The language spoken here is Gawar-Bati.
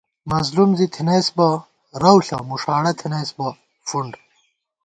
مظلُوم زی تھنَئیس بہ رَؤ ݪہ مُݭاڑہ تھنَئیس بہ فُنڈ